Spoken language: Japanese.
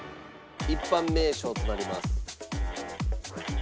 一般名称となります。